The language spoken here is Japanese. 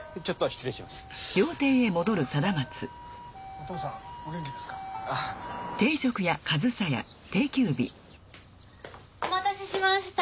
お待たせしました。